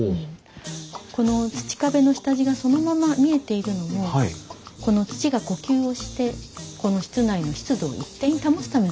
この土壁の下地がそのまま見えているのも土が呼吸をしてこの室内の湿度を一定に保つためのものなんです。